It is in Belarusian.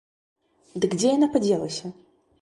Дык дзе яна падзелася?